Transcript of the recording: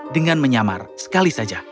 dengan menyamar sekali saja